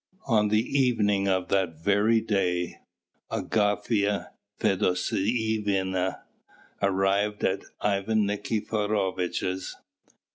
On the evening of that very day, Agafya Fedosyevna arrived at Ivan Nikiforovitch's.